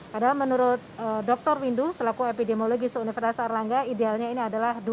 padahal menurut dr windu selaku epidemiologi universitas arlangga idealnya ini adalah dua puluh satu banding dua puluh